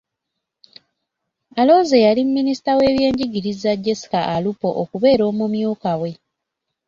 Alonze eyali minisita w’ebyenjigiriza, Jessica Alupo, okubeera omumyuka we.